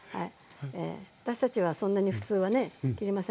私たちはそんなに普通はね切りませんから。